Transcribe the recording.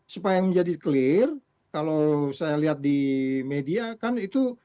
supaya menjadi clear kalau saya lihat di media kan itu